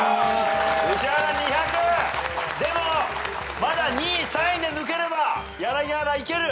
でもまだ２位３位で抜ければ柳原いける！